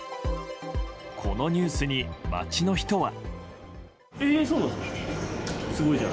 このニュースに街の人は。